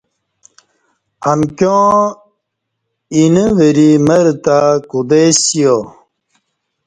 امکیاں اینہ وری مر تہ کودئیسیا